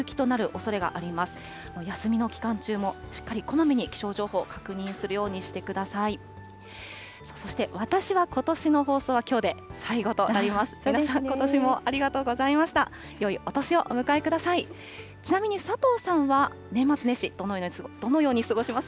そして、私はことしの放送はきょうで最後となります。